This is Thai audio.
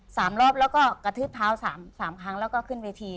สามรอบแล้วก็กระทืบเท้าสามสามครั้งแล้วก็ขึ้นเวที